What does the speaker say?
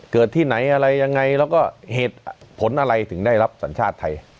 ที่ไหนอะไรยังไงแล้วก็เหตุผลอะไรถึงได้รับสัญชาติไทย